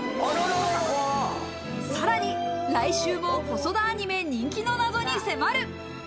さらに来週も細田アニメ人気のナゾに迫る。